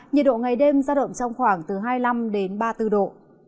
nhiệt độ ngày đêm giao động trong khoảng từ hai mươi năm ba mươi bốn độ